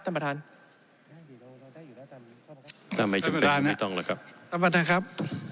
ท่านพระท่านครับ